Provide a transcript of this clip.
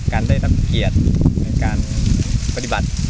ได้รับเกียรติในการปฏิบัติ